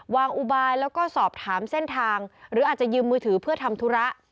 อุบายแล้วก็สอบถามเส้นทางหรืออาจจะยืมมือถือเพื่อทำธุระ